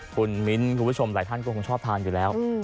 คุณมิ้นท์คุณผู้ชมหลายท่านก็คงชอบทานอยู่แล้ว